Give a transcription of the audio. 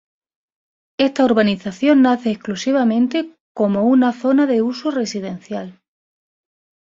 Esta urbanización nace exclusivamente como una zona de uso residencial.